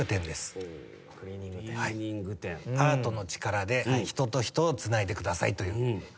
アートの力で人と人をつないでくださいという課題です。